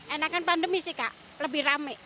enakan pandemi sih kak lebih rame